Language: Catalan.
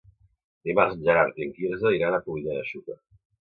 Dimarts en Gerard i en Quirze iran a Polinyà de Xúquer.